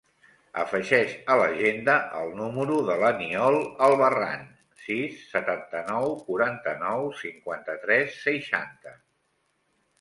Afegeix a l'agenda el número de l'Aniol Albarran: sis, setanta-nou, quaranta-nou, cinquanta-tres, seixanta.